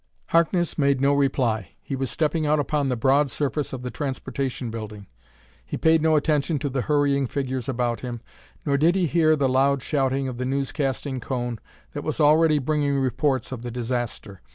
Harkness made no reply. He was stepping out upon the broad surface of the Transportation Building. He paid no attention to the hurrying figures about him, nor did he hear the loud shouting of the newscasting cone that was already bringing reports of the disaster.